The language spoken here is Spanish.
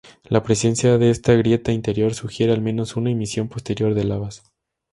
La presencia de esta grieta interior sugiere al menos una emisión posterior de lavas.